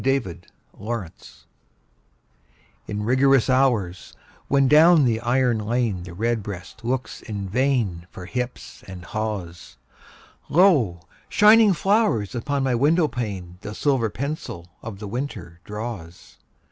XVII—WINTER In rigorous hours, when down the iron lane The redbreast looks in vain For hips and haws, Lo, shining flowers upon my window pane The silver pencil of the winter draws.